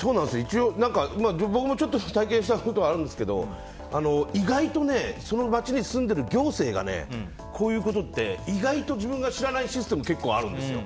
僕もちょっと体験したことあるんですけど意外とその町に住んでいる行政がこういうことって意外と自分が知らないシステム結構あるんですよ。